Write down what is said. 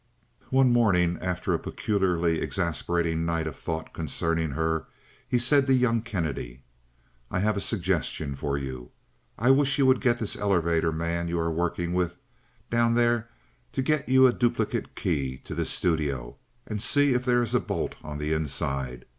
One morning, after a peculiarly exasperating night of thought concerning her, he said to young Kennedy: "I have a suggestion for you. I wish you would get this elevator man you are working with down there to get you a duplicate key to this studio, and see if there is a bolt on the inside.